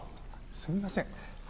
すみません。